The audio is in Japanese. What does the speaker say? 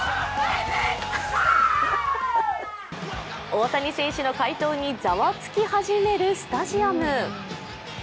大谷選手の快投にざわつき始めるスタジアム。